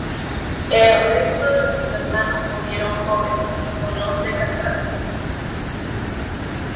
El resto de sus hermanos murieron jóvenes o no se casaron.